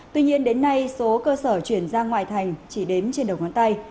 tuy nhiên đến nay số cơ sở chuyển ra ngoài thành chỉ đếm trên đầu ngón tay